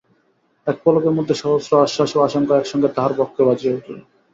এক পলকের মধ্যে সহস্র আশ্বাস ও আশঙ্কা একসঙ্গে তাহার বক্ষে বাজিয়া উঠিল।